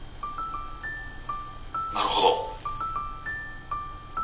「なるほど」。